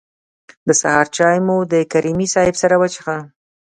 د سهار چای مو د کریمي صیب سره وڅښه.